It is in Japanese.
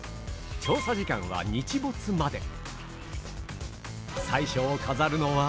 調査時間は日没まで。